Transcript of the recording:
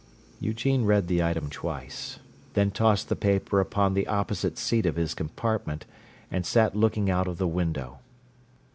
Eugene read the item twice, then tossed the paper upon the opposite seat of his compartment, and sat looking out of the window.